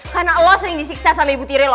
karena lo sering disiksa sama ibu tirelo